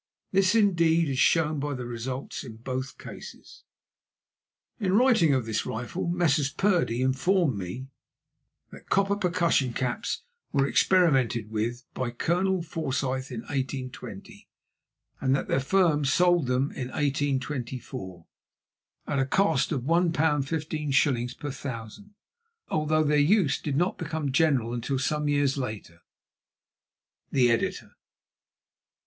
This, indeed, is shown by the results in both cases. In writing of this rifle, Messrs. Purdey informed me that copper percussion caps were experimented with by Colonel Forsyth in 1820, and that their firm sold them in 1824, at a cost of £1 15s. per 1,000, although their use did not become general until some years later.—THE EDITOR.